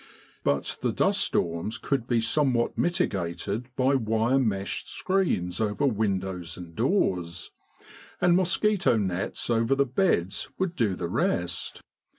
But the dust storms could be somewhat mitigated by wire meshed screens over win dows and doors; and mosquito nets over the beds would do the rest.